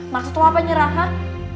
maksud lo apa nyerah hah